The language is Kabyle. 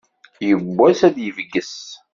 Yiwwas ad d-yebges.